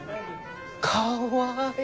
かわいい！